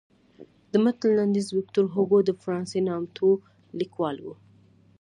د متن لنډیز ویکتور هوګو د فرانسې نامتو لیکوال و.